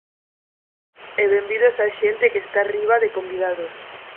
E benvidos á xente que está arriba, de convidados.